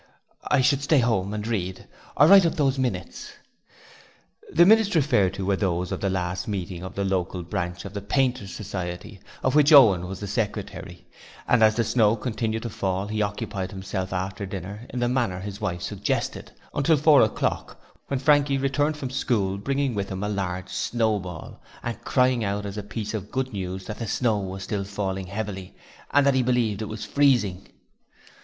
'You should stay at home and read, or write up those minutes.' The minutes referred to were those of the last meeting of the local branch of the Painters' Society, of which Owen was the secretary, and as the snow continued to fall, he occupied himself after dinner in the manner his wife suggested, until four o'clock, when Frankie returned from school bringing with him a large snowball, and crying out as a piece of good news that the snow was still falling heavily, and that he believed it was freezing!